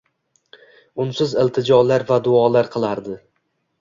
unsiz iltijolar va duolar qilardi.